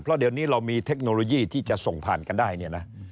เพราะเดี๋ยวนี้เรามีเทคโนโลยีที่จะส่งผ่านกันได้เนี่ยนะ